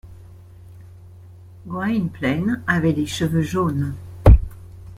Gwynplaine avait les cheveux jaunes.